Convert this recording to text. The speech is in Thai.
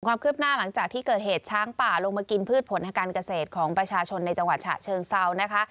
ความคืบหน้าหลังจากที่เกิดเหตุช้างป่าลงมากินพืชผลทางการเกษตรของประชาชนในจังหวัดฉะเชิงเซานะคะ